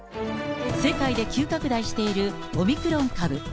世界で急拡大しているオミクロン株。